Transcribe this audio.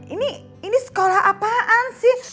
ini sekolah apaan sih